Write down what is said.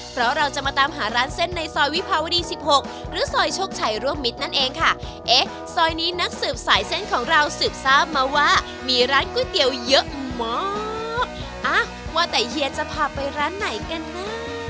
เพราะเราจะมาตามหาร้านเส้นในซอยวิภาวดีสิบหกหรือซอยโชคชัยร่วมมิตรนั่นเองค่ะเอ๊ะซอยนี้นักสืบสายเส้นของเราสืบทราบมาว่ามีร้านก๋วยเตี๋ยวเยอะมากอ่ะว่าแต่เฮียจะพาไปร้านไหนกันนะ